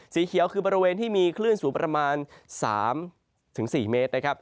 สีเขียวคือบริเวณที่มีคลื่นสูงประมาณ๓๔เมตรนะครับ